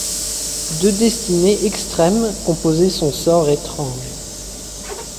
Deux destinées extrêmes composaient son sort étrange.